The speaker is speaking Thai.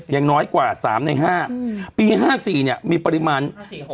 ยังน้อยกว่าสามในห้าอืมปีห้าสี่เนี่ยมีปริมาณห้าสี่หก